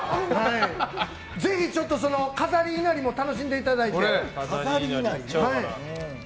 ぜひ、飾りいなりも楽しんでいただいて。